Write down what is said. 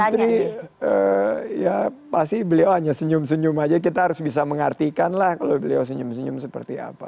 putri ya pasti beliau hanya senyum senyum aja kita harus bisa mengartikan lah kalau beliau senyum senyum seperti apa